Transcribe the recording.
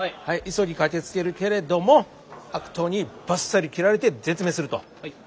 はい急ぎ駆けつけるけれども悪党にばっさり斬られて絶命すると。